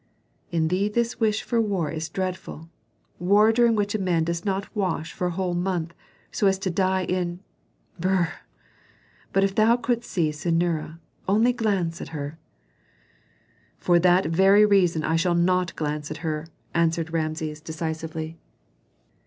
"In thee this wish for war is dreadful, war during which a man does not wash for a whole month, so as to die in Brr! But if thou couldst see Senura, only glance at her " "For that very reason I shall not glance at her," answered Rameses, decisively.